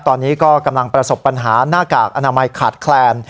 ตอนนี้ก็กำลังประสบปัญหาหน้ากากอนามัยขาดแคลน